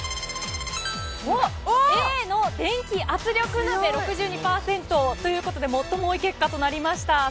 Ａの電気圧力鍋６２％ということで最も多い結果となりました。